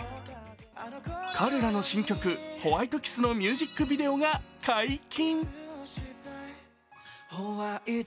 彼らの新曲「ホワイトキス」のミュージックビデオが解禁！